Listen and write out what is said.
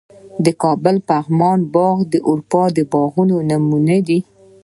د کابل پغمان باغونه د اروپا د باغونو نمونې دي